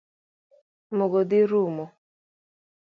Mogo dhi rumo?